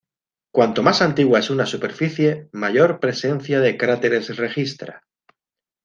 Cuanto más antigua es una superficie, mayor presencia de cráteres registra.